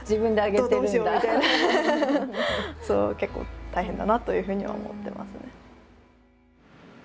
それは結構大変だなというふうには思ってますね。